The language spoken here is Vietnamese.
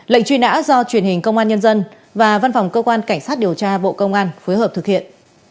lệnh truy nã do truyền hình công an nhân dân và văn phòng cơ quan cảnh sát điều tra bộ công an phối hợp thực hiện